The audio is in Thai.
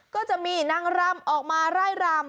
ก็จะมีนางรำออกมาไล่รำ